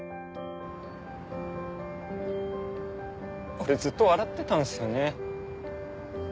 俺ずっと笑ってたんすよね。